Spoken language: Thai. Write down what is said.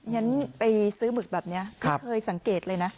ฉันไปซื้อหมึกแบบนี้ไม่เคยสังเกตเลยนะ